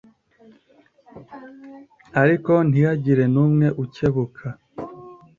Ariko ntihagira n’umwe ukebuka.